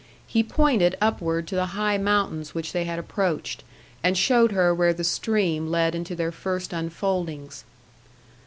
He pointed upward to the high mountains which they had approached, and showed her where the stream led into their first unfoldings.